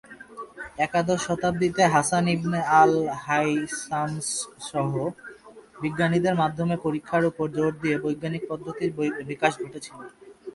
একাদশ শতাব্দীতে Hasan ibn আল-হাইসামসহ অন্যান্য বিজ্ঞানীদের মাধ্যমে পরীক্ষার উপর জোর দিয়ে বৈজ্ঞানিক পদ্ধতির বিকাশ ঘটেছিল।